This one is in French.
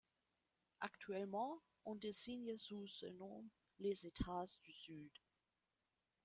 Actuellement, on désigne sous ce nom les États du Sud.